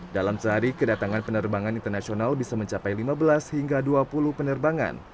dalam sehari kedatangan penerbangan internasional bisa mencapai lima belas hingga dua puluh penerbangan